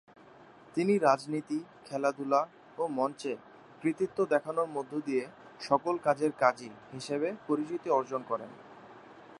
তিনি রাজনীতি, খেলাধুলা ও মঞ্চে কৃতিত্ব দেখানোর মধ্য দিয়ে "সকল কাজের কাজী" হিসেবে পরিচিতি অর্জন করেন।